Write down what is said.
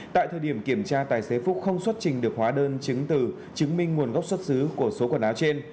tại thời điểm kiểm tra tài xế phúc không xuất trình được hóa đơn chứng từ chứng minh nguồn gốc xuất xứ của số quần áo trên